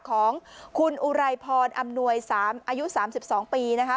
ของคุณอุไรพรอำนวย๓อายุ๓๒ปีนะคะ